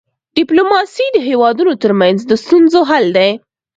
ډيپلوماسي د هيوادونو ترمنځ د ستونزو حل دی.